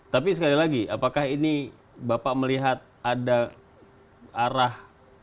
tapi sekali lagi apakah ini bapak melihat ada arah